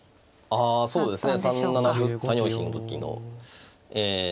あっそうですね。